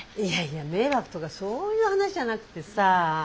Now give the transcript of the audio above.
いやいや迷惑とかそういう話じゃなくてさあ。